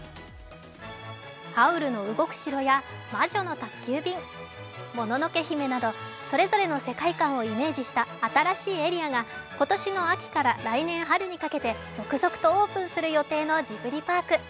「ハウルの動く城」や「魔女の宅急便」、「もののけ姫」などそれぞれの世界観をイメージした新しいエリアが今年の秋から来年春にかけて続々とオープンする予定のジブリパーク。